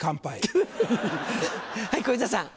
フフフはい小遊三さん。